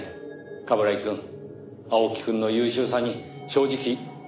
冠城くん青木くんの優秀さに正直脱帽！